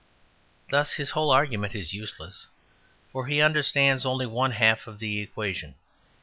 Thus his whole argument is useless, for he understands only one half of the equation.